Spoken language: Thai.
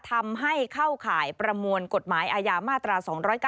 ทำให้เข้าข่ายประมวลกฎหมายอาญามาตรา๒๙